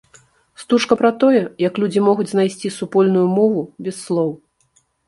Стужка пра тое, як людзі могуць знайсці супольную мову без слоў.